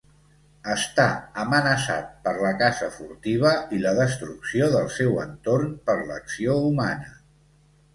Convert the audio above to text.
Està amenaçat per la caça furtiva i la destrucció del seu entorn per l'acció humana.